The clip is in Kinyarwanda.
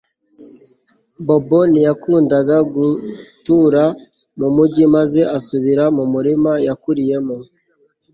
Bobo ntiyakundaga gutura mu mujyi maze asubira mu murima yakuriyemo